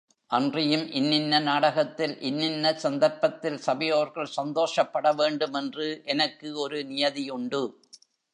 அன்றியும் இன்னின்ன நாடகத்தில் இன்னின்ன சந்தர்ப்பத்தில் சபையோர்கள் சந்தோஷப்படவேண்டும் என்று எனக்கு ஒரு நியதியுண்டு.